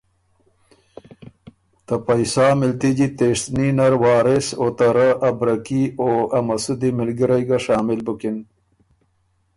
ته پئ سا مِلتجی تِېشتني نر وارث او ته رۀ ا برکي او ا مسودی مِلګِرئ ګه شامل بُکِن